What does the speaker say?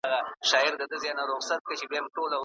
سندرې په کور کې هم ګټورې دي.